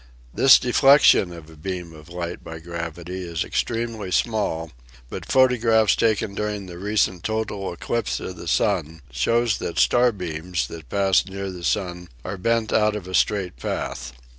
This deflection of a beam of light by gravity is extremely small, but photographs taken during the recent total eclipse of the sun show that star beams that passed near the sun are bent out of a straight path.